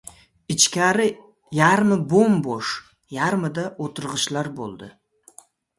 Ichkari yarmi bo‘m-bo‘sh, yarmida o‘tirg‘ichlar bo‘ldi.